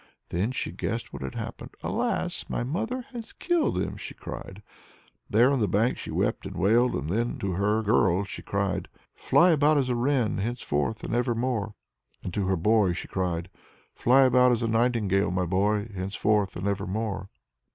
Then she guessed what had happened. "Alas! my mother has killed him!" she cried. There on the bank she wept and wailed. And then to her girl she cried: "Fly about as a wren, henceforth and evermore!" And to her boy she cried: "Fly about as a nightingale, my boy, henceforth and evermore!"